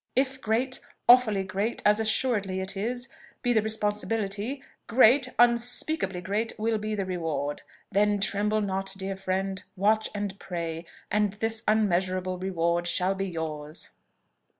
If great awfully great, as assuredly it is, be the responsibility, great unspeakably great, will be the reward. Then tremble not, dear friend! watch and pray, and this unmeasurable reward shall be yours!"